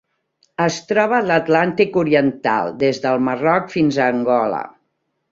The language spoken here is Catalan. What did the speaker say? Es troba a l'Atlàntic oriental: des del Marroc fins a Angola.